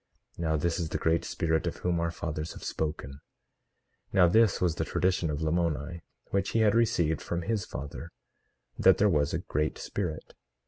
Now this is the Great Spirit of whom our fathers have spoken. 18:5 Now this was the tradition of Lamoni, which he had received from his father, that there was a Great Spirit.